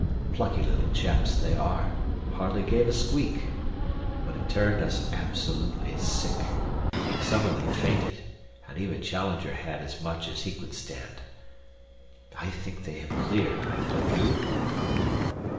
Plucky little chaps they are, and hardly gave a squeak. But it turned us absolutely sick. Summerlee fainted, and even Challenger had as much as he could stand. I think they have cleared, don't you?"